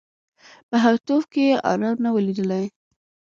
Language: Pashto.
په هفتو کي یې آرام نه وو لیدلی